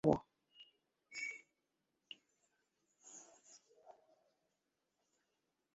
আমি চিঠি লিখে খবরটা জোগাড় করব।